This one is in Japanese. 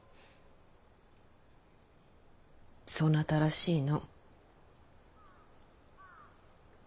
そなたらしいの。